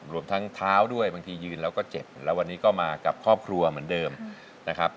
รวมทั้งเท้าด้วยบางทียืนแล้วก็เจ็บแล้ววันนี้ก็มากับครอบครัวเหมือนเดิมนะครับ